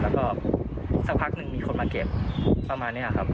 แล้วก็สักพักหนึ่งมีคนมาเก็บประมาณนี้ครับ